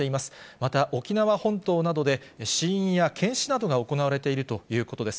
また沖縄本島などで死因や検視などが行われているということです。